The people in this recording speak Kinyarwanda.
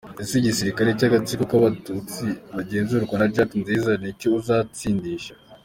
Ese igisirikare cy’agatsiko kabatutsi bagenzurwa na Jack Nziza nicyo uzatsindisha?